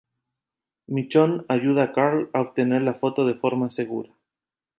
Michonne ayuda a Carl a obtener la foto de forma segura.